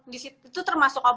belum tentu cocok ya